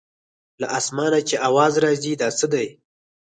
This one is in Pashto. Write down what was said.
له اسمانه چې اواز راځي د څه دی.